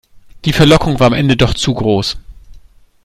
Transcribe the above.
Die Verlockung war am Ende doch zu groß.